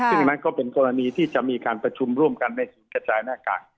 ซึ่งอันนั้นก็เป็นกรณีที่จะมีการประชุมร่วมกันในศูนย์กระจายหน้ากาก